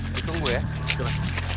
lo tunggu ya